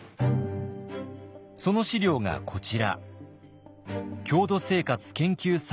その資料がこちら。